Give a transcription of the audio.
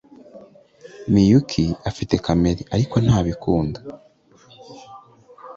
Miyuki afite kamera, ariko ntabikunda.